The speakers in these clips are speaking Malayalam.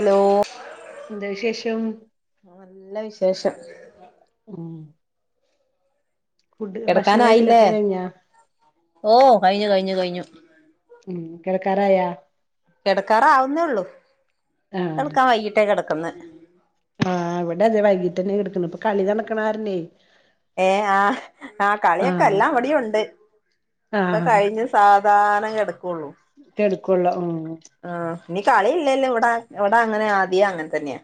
അ ലോ ന്താവിശേഷം നല്ല വിശേഷം [inaudible] ഫുഡ് ഭക്ഷണം കയ് കിടക്കാനായില്ലേ കലൊക്കെ കഴിഞ്ഞാ? ഓ കഴിഞ്ഞു കഴിഞ്ഞു കഴിഞ്ഞു ഉം കെ ടക്കറായാ കിടക്കാറാവുന്നേ ഉള്ളൂ ആഹ് കിടക്കാൻ വൈകിട്ടേ കിടക്കുന്നെ ആഹ് ഇ വിടെ തെ വൈകീട്ടെ ന്നെ കെടക്ക് ണ് ഇപ്പൊ കളി നട ക്ക് ണ കാര ണെ ഏ ആ ഹ് ആ കളിയൊക്കെ ആഹ് എല്ലാം ഇ വിടീം ഉണ്ട് ക്കെ ആഹ് കഴിഞ്ഞ് സാധാനം കിടക്കുള്ളൂ കൊള്ളു ഓ ആ നി കളിയില്ലല്ലോ ഇവിടെ ഇവിടെ അങ്ങനെ ആദ്യെ അങ്ങനെ തന്നെയാ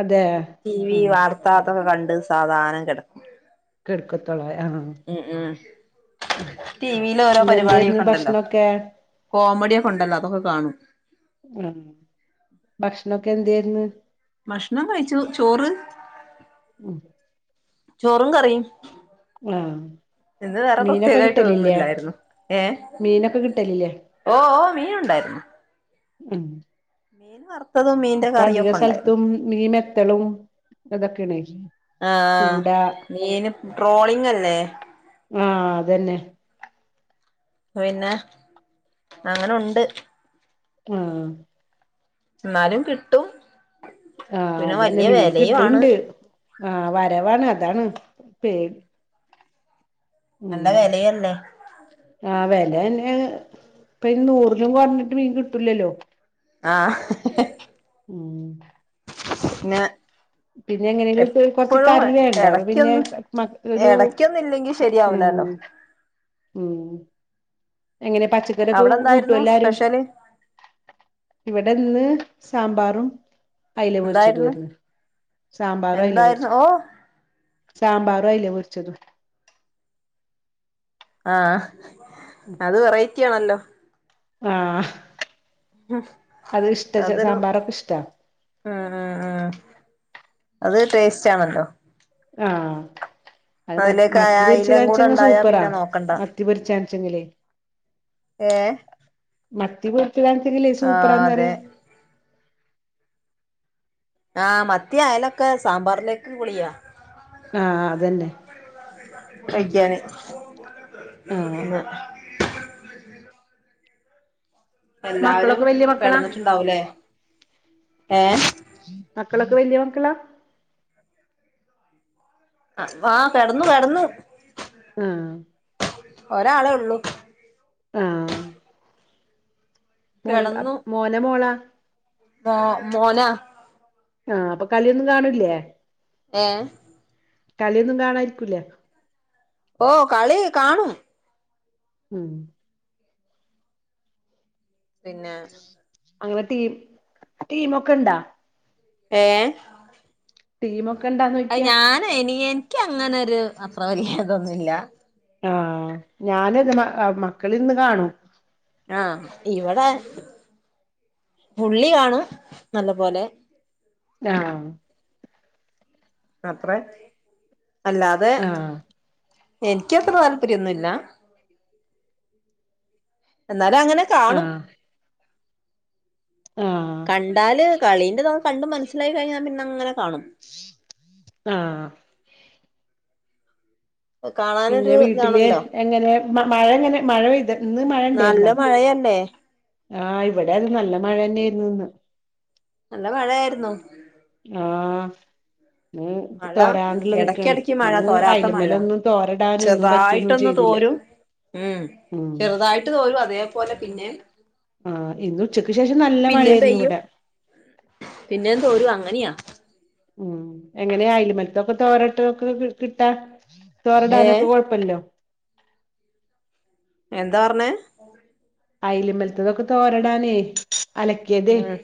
അതെ ടി വി ഉം വാർത്ത അതൊക്കെ കണ്ട് സാധാനം കെ ടക്കും കെടുക്കതോ ള്ളൂ ആഹ് ഉം ഉം ഉം ടിവിൽ ഓരോ ഇന്നെന്തേരുന്നു പരിപാടിയൊക്കെ ണ്ടല്ലോ ഭക്ഷണൊക്കെ? കോമഡിയൊക്കെ ണ്ടല്ലോ അതൊക്കെ കാണും മ് ഭക്ഷണൊക്കെ എന്തേര്ന്ന് ഭക്ഷണം കഴിച്ചു ചോറ് ഉം ചോറും കറിം ആഹ് ഇന്ന് വേറെ മീനൊക്കെ പ്രത്യേകായിട്ട് കിട്ടലില്ലേ? ഇതൊന്നുല്ലായിരുന്നു ഏ മീനൊക്കെ കിട്ടലില്ലേ? ഓ ഓ മീൻ ഉണ്ടാര് ന്ന്‌ മീൻ വർ പ്പൊ അധിക സൽ ത്തും മീ മെ ത്തളും എ തൊക്കെണ ആ മീന് ട്രോളിംങ്‌ അല്ലേ? ആഹ് അതന്നെ പിന്നെ അങ്ങനെ ഉണ്ട് ആഹ് ന്നാലും കിട്ടും ആഹ് പിന്നെ അതന്നെ വലിയ മീന് വിലയും ആണ് കിട്ടണ്ട് ആഹ് വരവാണ് അതാണ് പേ ഉം നല്ല വിലയല്ലേ ആ. വെല തന്നെ ആണ്. പ്പയിന് നൂറിലും കൊറഞ്ഞിട്ട് മീൻ കിട്ടുല്ലല്ലോ. ആ. [unintelligible] ഉം ഞ. പിന്നെ എങ്ങനെലും ഇപ്പ കൊറച്ച് എപ്പഴും കറി വേണ്ടേ അപ്പ പിന്നെ എടക്കൊന്നും മ ഒരു എടക്കൊന്നും ഇല്ലെങ്കി ഉം ശരിയാവുലല്ലോ. [inaudible] ഉം. എങ്ങനെ പച്ചക്കറി ഒക്കെ അവിടെ കൂ കൂട്ടൊ എന്തായിരുന്നു എല്ലാരും? സ്പെഷ്യല് ഇവിടെന്ന് സാമ്പാറും. അയ്ല പൊരിച്ചിട്ട് എന്തായിരുന്നു വര്ന്ന്. സാമ്പാറും അയ്ലിം എന്തായിരുന്നു ര്ച്ച്. ഓ സാമ്പാറു അയ്‌ല പൊര് ച്ചതു. ആഹ്. അത് വെറൈറ്റി ആണല്ലോ. ആ. ഹ്. അത് ഇഷ്ട സാമ്പാറൊക്കെ ഇഷ്ട്ടാ. ആ ആ ആ. അത് ടേസ്റ്റ് ആണല്ലോ. ആഹ് അത് മ അതിലേക്ക് മത്തി അയിലയും കൂടെ പൊര്ച്ചതച്ചങ്ങ് ഉണ്ടായാ സൂപ്പറാ പിന്നെ നോക്കണ്ട മത്തിപൊരിച്ച ച്ചങ്ങിലെ. ഏ മത്തി പൊ [unintelligible] ണെങ്കിലെ ആ അതെ സൂപ്പറാന്നറിയ ആ. മത്തി അയലൊക്കെ സാമ്പാറിലേക്ക് പൊളിയാ. ആഹ് അതന്നെ കയ്ക്ക്യാന് ആഹ് ന്ന. എല്ലാവരും മക്കളൊക്കെ വല്യ മക്കളാ കെടന്നിട്ടുണ്ടാവുല്ലേ ഏ. മക്കളക്ക വെല്ല്യ മക്കളാ. അ വാ കെടന്നു കെടന്നു. ആഹ്. ഒരാളേ ഒള്ളൂ. ആ. മോന് അപ് മോന മോളാ? ആ തോന. ആഹ അപ്പൊ കള്യന്നും കാണൂല്ലേ? ഏ കളിയൊന്നും കാണാായിരിക്കൂല്ലേ? ഓ, കളി കാണും. ഉം പിന്നെ. അങ്ങനെ ടീം ടീംമൊക്കെണ്ടാ? ഏഹ്. ടീമൊക്കെ ണ്ടാന്ന്യോദിക്കിയാ? തെനിയെൻ ക്ക്യങ്ങനര് അത്ര വല്ല്യ തൊന്നുല്ല. ആഹ് ഞാനിത് മ അ മക്കളിര്ന്ന് കാണു. ആഹ് ഇവടെ പുള്ളി കാണും നല്ല പോലെ. ആ ആത്രെ. അല്ലാതെ ആഹ് എനിക്ക് അത്ര താല്പര്യൊന്നുല്ല. എന്നാലു അങ്ങനെ. ആഹ്. കാണും ആഹ് കണ്ടാല് കളീന്റെതോ കണ്ട് മനസ്സിലായി കഴിഞ്ഞാ പിന്നങ്ങനെ കാണും. ആ. പിന്നെ കാണാനൊരു വീട്ടില് ഇതാണല്ലോ എങ്ങനെ മ മഴ ങ്ങനെ മഴ പെയ്ത ന്ന് മഴ നല്ല ണ്ടേര്ന്നാ. മഴയല്ലേ ആഹ്, ഇവിടെ അത് നല്ല മഴ തന്നെയായിരുന്നുന്ന് നല്ല മഴയായിരുന്നു. ആ. ഇന്ന് മഴ തോരാണ്ട്ള്ള നിക്കാണ് എടക്കെടക്ക് മഴ ഇന്ന് തോരാത്ത മഴ അയലമല ഒന്നും തോരടാനൊന്നും പറ്റൊന്നും ചെറുതായിട്ടൊന്ന് ചെയ്തില്ല തോരും ഉം ഉം ചെറുതായിട്ട് തോരും അതേപോലെ പിന്നേം ആഹ് ഇന്നുച്ചക്ക് ശേഷം നല്ല മഴയായിരുന്നു ഇവിടെ പിന്നെ തോരും അങ്ങനെയാ ഉം എങ്ങനെയാ അയല് മലത്തൊക്കെ തോരോട്ടൊക്കെ കിട്ടാ ഏ തോരടാനൊക്കെ കൊഴപ്പല്ലല്ലോ എന്താ പറഞ്ഞെ അയലമലത്തതൊക്കെ തോരടാനേ അലക്കിയതെ ഉം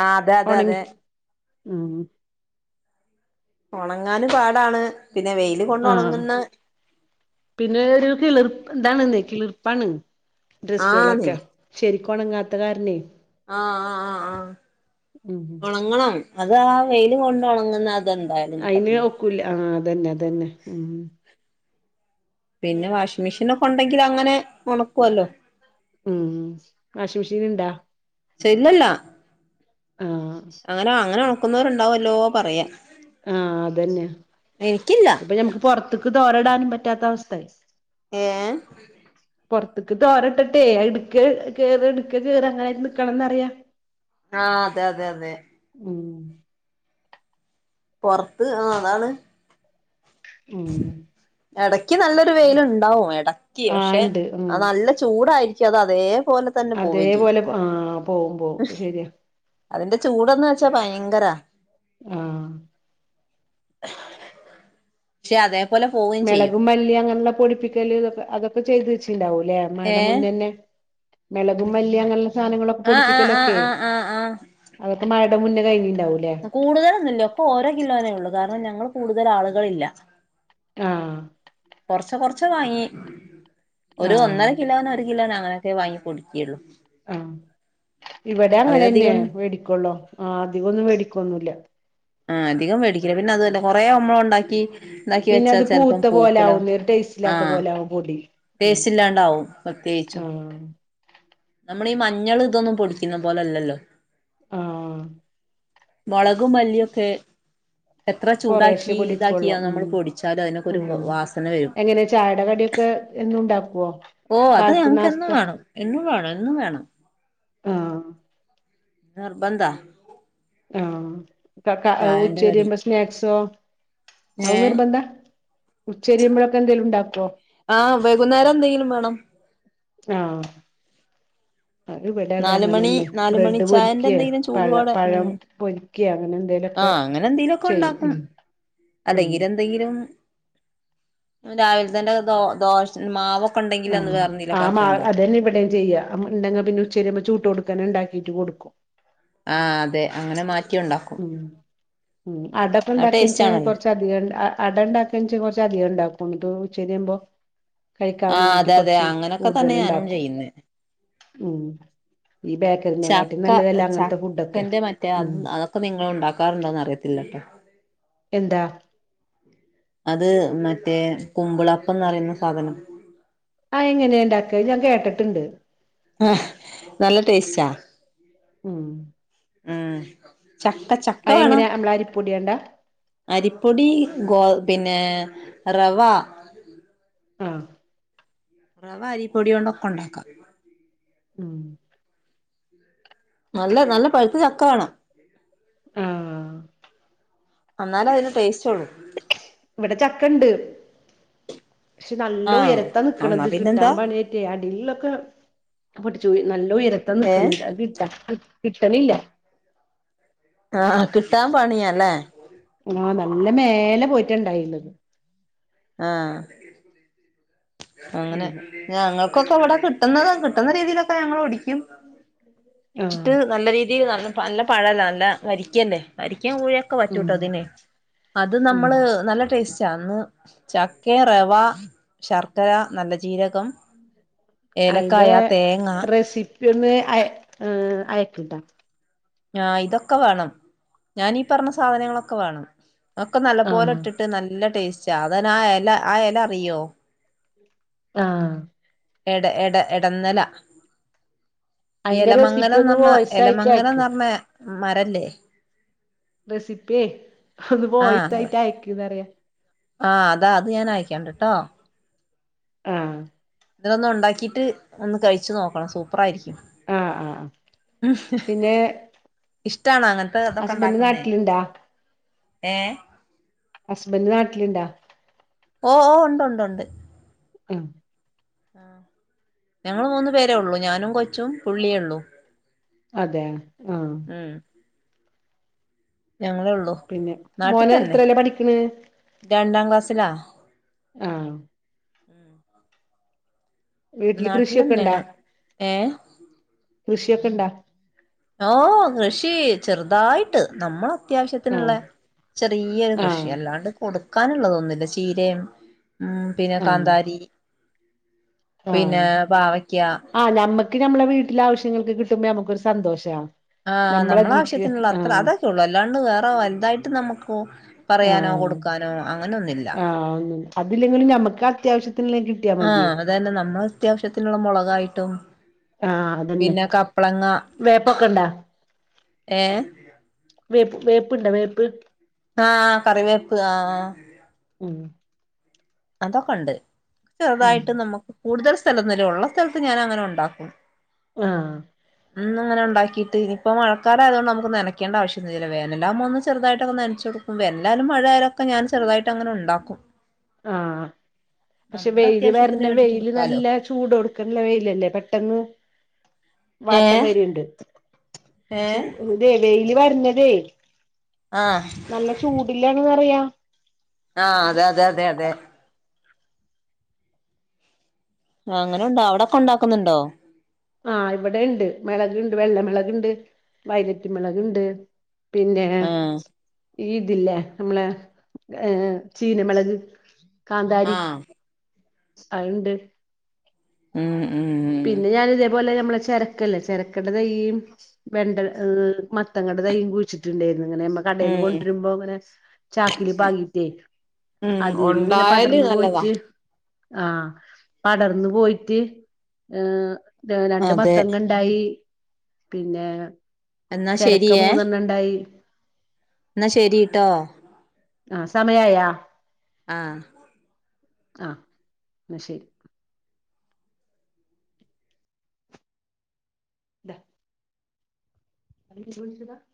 ആ അതെ അതെ ഉണങ്ങി അതെ ഉം ഉണങ്ങാന് പാടാണ് പിന്നെ വെയില് കൊണ്ട് ആഹ് ഒണങ്ങുന്ന പിന്നെ ഒരു കിളിർപ്പ ന്താണ് ന്നെ കിളിർപ്പാണ് ആന്ന് ഡ്രസ്സുകളൊക്കെ ശരിക്കുണങ്ങാത്ത കാരനേ ആ ആ ആ ആ ഉം ഒണങ്ങണം അത് ആ വെൽ കൊണ്ട് ഉണങ്ങുന്ന അയിന് ഒക്കൂല ആ അതന്നെ അതന്നെ ഉം പിന്നെ വാഷിംങ് മെഷീൻ ഒക്കെ ഉണ്ടെങ്കിൽ അങ്ങനെ ഉണക്കുവല്ലോ ഉം വാഷിംഗ് മിഷീൻ ഇണ്ടാ തന്നല്ല ആഹ് അങ്ങനെ അങ്ങനെ ഒണക്കുന്നോരുണ്ടാവല്ലോ പറയാ ആഹ് അതന്നെ എനിക്കില്ല ഇപ്പൊ ഞമുക്ക് പൊറത്തക്ക് തോരടാനും പറ്റാത്ത അവസ്ഥായി ഏഹ് പോർത്ക്ക് തോരട്ടട്ടെ എടുക്ക കേറ എടുക്ക കേറ അങ്ങനെ നിക്കണംന്ന് പറയാ ആ അതെ അതെ അതെ ഉം പൊറത്ത് ആ അതാണ് ഉം ഇടക്ക് നല്ലൊരു വെയിലുണ്ടാവും ഇടക്ക് ആ പക്ഷെ ഇണ്ട് ഉം അത് നല്ല ചൂടായിരിക്കും ക്ഷെ അത് അതേ പോലെ അതേപോലെ ആ പോവും പോവും ശരിയാ അതിന്റെ ചൂടന്ന് വെച്ചാ ഭയങ്കര ആഹ് [inaudible] പക്ഷെ അതേ പൊലെ പോകും മിളകും മല്ലി അങ്ങനുള്ള പൊടിപ്പിക്കും അതൊക്കെ ചെയ്ത് വെച്ചിണ്ടാവുംലേ ഏ മഴേടെ മുന്നന്നെ മെളകും മല്ലിയങ്ങനെയുള്ള സാധനങ്ങളൊക്കെ ആഹ് ആഹ് ആഹ് പൊടിപ്പിക്കലൊക്കെ ആഹ് ആഹ് ആഹ് അതൊക്കെ മഴടെ മുന്നേന്നെ കഴിഞ്ഞീ ണ്ടാവും അല്ലേ കൂടുതലൊന്നുല്ല ഒക്ക ഓരോ കിലോനേ ഉള്ളൂ കാരണം ഞങ്ങൾ കൂടുതൽ ആളുകളില്ല ആഹ് കൊറച് കൊറച്ച് വാങ്ങി ഒരു ആഹ് ഒന്നര കിലോ രണ്ട് കിലോന് അങ്ങനൊക്കെ വാങ്ങി പൊടിയ്ക്കള്ളു ആഹ് ഇവിടെങ്ങനെന്നെയ അവരധികൊന്നും വേടിക്കോള്ളോ ആ അതികൊന്നും വേടിക്കൊന്നുല്ല ആഹ് അധികം വേടിക്കില്ല പിന്നെ അതും അല്ലകൊറേമ്മളൊണ്ടാക്കി ഉണ്ടാക്കി പിന്നെ വെച്ചാ അത് ചെലപ്പം പൂത്ത പോലെ പൂപ്പിലോ ആവുന്നേ ഒരു ടേസ്റ്റ് ഇല്ലാത്ത ആഹ പോലെ ആവും പൊടി ഉം ടേസ്റ്റ് ഇല്ലാണ്ടാവും പ്രത്യേകിച്ചും ആഹ് നമ്മളീ മഞ്ഞൾ ഇതൊന്നും പൊടിക്കുന്ന പോലെല്ലല്ലോ ആഹ് മുളക് മല്ലിയൊക്കേ എത്ര കൊറേശ്ശെ ചൂടാക്കി പൊടിക്കൊള്ളൂ ഇതാക്കിയ ഉം നമ്മൾ പൊടിച്ചാലും അതിനൊക്കെ ഒരു ഉം വാസന വരും എന്നൂണ്ടാക്കുവോ ഓഹ് അത് ഞങ്ങ്ക്ക് എന്നും വേണം എന്നും വേണം എന്നും വേണം ആഹ് നിർബന്ധാ. ആഹ് കാക ചായന്റെ കടി ഉച്ചേരിയിമ്പം സ്നാക്സോ ഏ അവും നിർബന്ധാ ഉച്ചരിയുമ്പൊഴൊക്കെ എന്തേലും ണ്ടാക്കോ ആഹ് വൈകുന്നേരം എന്തെങ്കിലും വേണം ആഹ് അത് ഇവിടെ അത നാല് മണി അങ്ങനെന്നെ. നാല് മണി ബ്രെഡ് ചായന്റെ പൊരിക്കെ, എന്തെങ്കിലും പഴ പഴം പൊരിക്കെ അങ്ങനെ എന്തെലും. ആഹാ അങ്ങനെ എന്തെലും ക്കൊ ഒണ്ടാക്കും, ഉം ഉം അല്ലെങ്കില് എന്തെങ്കിലും. രാവിൽതെൻ്റെ ദോ ദോഷ മാവൊക്കൊണ്ടെയ്. ആഹാ ആഹാ മാവെ അതന്നെ ഇവിടെയും ചെയ്യാ. അമ്മണ്ടങി പിന്നെ ഉച്ചരിയിമ്പം- ചൂട്ടോട്ക്കെന്നെ ണ്ടാക്കീട്ട് കൊടുക്കും. ആഹ് അതെ അങ്ങനെ മാറ്റിയുണ്ടാക്കും ഉം ഉം ടേസ്റ്റ് അടപ്പംണ്ടാക്കിൻച്ച് കൊർച്ച്- ആണല്ലോ കുറച്ചധികം അ അടണ്ടാക്കിൻച്ചാ കൊറച്ച് അധികംണ്ടാക്കും ന്ന്ട്ട് ഉച്ചരിയുംമ്പോ കഴിക്കാൻ ആഹ് വേണ്ടിട്ട് അതെ അതെ കൊർച്ച് അങ്ങനൊക്കെ കൂടുതൽ തന്നെ ഞാനും ണ്ടാക്കും, ചെയ്യുന്നെ ഉം ഈ ബേക്ക- ചക്ക ചക്കന്റെ മറ്റേ അ ഉം അതൊക്കെ നിങ്ങളുണ്ടാക്കാറുണ്ടോന്ന് അറിയത്തില്ല ട്ടോ എന്താ? അത് മറ്റേ കുമ്പ്ളപ്പംന്ന് റയുന്ന സാധനം അയെങ്ങനെ ഇണ്ടാക്കാ ഇത് ഞാൻ കേട്ടിട്ട്ണ്ട് ആഹ് നല്ല ടേസ്റ്റാ. ഉം.. ! ഉം ചക്ക ച അയെങ്ങനെ അമ്മളെ അരിപൊടിയോണ്ടാ? അരിപ്പൊടീ ഗോ പിന്നെ റവ ആഹാ... ! റവ അരീപ്പൊടീണ്ടൊക്കാ ഒണ്ടാക്കാ. ഉം... ! നല്ല നല്ല പഴുത്ത ചക്ക വേണം. ആഹാ... ! അന്നാലേ അതിന് ടേസ്റ്റുള്ളൂ. ഇവിടെ ചക്കണ്ട്, പക്ഷേ നല്ല ആഹ് ഉയരത്താ എന്നാ നിക്കണത്. പിന്നെന്താ കിട്ടാംപണിയാണ്. അടീൽള്ളൊക്കെ പൊട്ടിച്ചു, നല്ല ഉരത്താ ഏഹ് നിക്ക്ണത് കിട്ടാൻ എളുപ്പല്ല. കിട്ടണില്ല ആഹ് കിട്ടാൻ പണിയാ ല്ലേ? ആഹ് നല്ല മേലെ പോയിട്ടാ ണ്ടായത്. ആഹാ... ! അങ്ങനെ ഉം ഞങ്ങൾക്കൊക്കെ വിടെ കിട്ടുന്നത് കിട്ടുന്ന രീതിയിലൊക്കെ ഞങ്ങള് ഒടിക്കും അ ശ് ആഹ് ട്ട് നല്ല രീതിയിൽ നടന്ന നല്ല പഴല്ല നല്ല വരിക്കെല്ലേ വരിക്കെകുഴെ ക്ക് ഉം പറ്റൂട്ടോ അതിന് അത് ഉം നമ്മള് നല്ല ടേസ്റ്റ്. ന്ന് ചക്ക, റവ, ശർക്കര, നല്ല ജീരകം, ഏലക്കായ, തേങ്ങ, പിന്നെ അയ് ഉം അയക്ക്ട്ട ആഹാ ഇതൊക്കെ വേണം, ഞാനീ പർണ സാധനങ്ങളൊക്കെ വേണം. ഒക്കെ നല്ല പോലെ ആഹ് ഇട്ടിട്ട്, ട്ട് നല്ല ടേസ്റ്റാ അതെ ന ആഹ് എല ആഹ് എല അറിയോ ആഹാ... ! എട എട എടന്നെല. ഇ അയിന്റെ റെസിപ്പി ഒന്ന് എലമങ്ങലംന്ന്ർണ വോയിസ് ആയിട്ട് അയക്ക് എലമങ്ങലംന്ന്ർണെ മരല്ലേ റെസിപ്പീ ഹൊന്ന് ആ വോയിസായിട്ട് അയകിന്ന്അറിയാ. ആ അതാ അത് ഞാൻയക്കണ്ടട്ടോ ആഹ് ഇതിലൊന്നണ്ടാക്കിട്ട് ഒന്ന് കഴിച്ചു നോക്കണം സൂപ്പറായിരിക്കും. ആഹ് ആഹ് ആഹ് പിന്നെ ഇഷ്ട്ടാണോ അങ്ങനത്തെ ഇതൊക്കെ ഹസ്ബൻഡ് ഉണ്ടാക്കുന്നേ നാട്ടിലുണ്ടാ ഏ ഹസ്ബൻഡ് നാട്ടിലുണ്ടാ? ഓ ഓ ഉണ്ട് ഉണ്ട് ഉണ്ട്. ഉം. ആ ഞങ്ങൾ മൂന്നു പേരേ ഉള്ളൂ ഞാനും കൊച്ചും പുള്ളിയേ ഉള്ളൂ. അതെ ആഹ് ഉം. ഞങ്ങളേ ഉള്ളൂ പിന്നെ നാട്ടിൽ മോന് തന്നെ എത്രേലാ പഠിക്കണ് രണ്ടാം ക്ലാസ്സിലാ. ആഹ് വീട്ടില് കൃഷിയക്കെണ്ടാ നാട്ടിലന്നെയാണ് ഏ കൃഷിയക്കെണ്ടാ ഓഹ് കൃഷി ചെറുതായിട്ട് നമ്മള അത്യാവശ്യത്തിന്ള്ള ആഹ് ചെറിയൊരു കൃഷി ആഹ് അല്ലാണ്ട് കൊടുക്കാന്ള്ളതൊന്നുല്ല ചീരയും ഉം പിന്നെ ആഹ് കാന്താരി പിന്നേ പാവക്ക്യ ആ നമ്മക്ക് നമ്മളെ വീട്ടിലെ ആവശ്യങ്ങൾക്ക് കിട്ടുമ്പോ നമ്മുക്കൊരു സന്തോഷാ. ആഹ് നമ്മള നമ്മളതിൽക്ക് ആവശ്യത്തിനുള്ള അത്ര ആഹ് അതൊക്കെ ഉള്ളു അല്ലാണ്ട് വേറെ വലുതായിട്ട് നമ്മുക്കു പറയാനോ കൊടുക്കാനോ അങ്ങനൊന്നില്ല. ആ അതില്ലെങ്കിലും നമുക്ക് അത്യാവശ്യത്തിനെങ്കി ആഹ് അതന്നെ നമ്മൾ അത്യാവശ്യത്തിനുള്ള മുളകായിട്ടും ആഹ് അതന്നെ പിന്നെ കപ്പളങ്ങ വേപ്പക്കണ്ടാ? ഏഹ് വേപ്പ് വേപ്പ്ണ്ട വേപ്പ്? ആഹ് കറിവേപ്പ് ആഹ് ആഹ്. ഉം. അതൊക്കെണ്ട് ഉം ചെറുതായിട്ട് നമക്ക് കൂടുതൽ സ്ഥലൊന്നുല്ല ഉള്ള സ്ഥലത്ത് ഞാൻ അങ്ങനൊണ്ടാക്കും. ആഹ്. ന്ന് ഇങ്ങനെണ്ടാക്കീട്ട് ഇപ്പോ മഴക്കാലായത് കൊണ്ട് നമുക്ക് നനക്കേണ്ടാവശ്യൊന്നൂല്ലല്ലോ വേനലാവുമ്പോ ഒന്ന് ചറുതായിട്ടൊക്കെ നനച്ചോടും. വെൻലായാലും മഴയാലൊക്കെ ഞാൻ ചെറുതായിട്ടങ്ങനെ ഉണ്ടാക്കും. ആഹ്. പക്ഷെ നമ്മുടെ വെയില് വര്ണ അത്യാവശ്യത്തിന് വേണ്ടിട്ട് വെയില് എടുക്കാലോ നല്ല ചൂടോട്കനിള്ള വെയിലല്ലേ പെട്ടെന്ന്. വാട്ടം ഏഹ് വെരിണ്ട് മശു ഏഹ് ഇത വെയില് വരഞ്ഞതേയ്. ആഹ്. നല്ല ചൂടില്ലാണന്നറിയ. ആഹ് അതെ അതെ അതെ അതെ. ആഹ് അങ്ങനെണ്ടോ അവിടൊക്കെ ഉണ്ടാക്കുന്നുണ്ടോ? ആഹ് ഇവിടെണ്ട് മെളക്ണ്ട് വെള്ളമിളക്ണ്ട് വയലറ്റിമളക്ണ്ട്. പിന്നെ ആഹ് സ്. ഇതില്ലേ നമ്മളെ ഏഹ് ചീനമിളക് കാന്താരി. ആഹ് അഴ്ണ്ട്. ഉം ഉം. പിന്നെ ഞാന് ഇതേപോലെ ഞമ്മളെ ചെരക്കല്ലേ ചെരക്കടെ തെയ്യും. വെണ്ട ഹ് മത്തങ്ങടെ തൈയും കുഴിച്ചിട്ടുണ്ടാരുന്നു ഇങ്ങനെമ്മ. കടേന്ന് ഉം കൊണ്ട്രുമ്പോങ്ങനെ ചാക്കില് പാകീട്ടേയ്. ഉം അതീന്ന്ങ്ങനെ ഉണ്ടായാല് പടർന്നു നല്ലതാ പോയിട്ട് ആഹ് പടർന്നു പോയിട്ട്. ഈ ര രണ്ട് അതെ മത്തങ്ങണ്ടായി പിന്നേ. എന്നാ ചരക്ക ശരിയേ മൂന്നെണ്ണംണ്ടായി. ന്നാ ശരീട്ടോ. ആഹ് സമയായാ? ആഹ് ആഹ് ന്ന ശെരി ദാ [unintelligible]